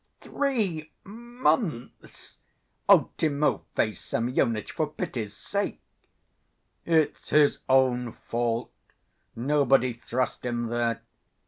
"Three months! Timofey Semyonitch, for pity's sake!" "It's his own fault. Nobody thrust him there.